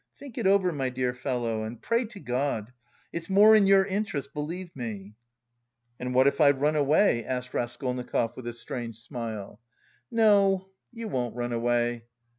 Think it over, my dear fellow, and pray to God. It's more in your interest, believe me." "And what if I run away?" asked Raskolnikov with a strange smile. "No, you won't run away.